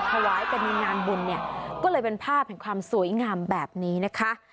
ถวายกันในงานบุญเนี่ยก็เลยเป็นภาพแห่งความสวยงามแบบนี้นะคะ